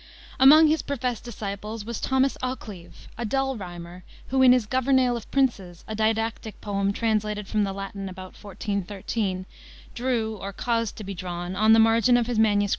Among his professed disciples was Thomas Occleve, a dull rhymer, who, in his Governail of Princes, a didactic poem translated from the Latin about 1413, drew, or caused to be drawn, on the margin of his MS.